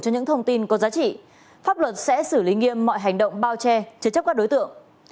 nếu quý vị có thông tin có giá trị pháp luật sẽ xử lý nghiêm mọi hành động bao che chứa chấp các đối tượng